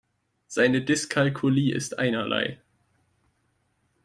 Seine Dyskalkulie ist einerlei.